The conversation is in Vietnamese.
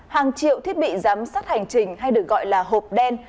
hàng triệu thiết bị giám sát hành trình hay được gọi là hộp đen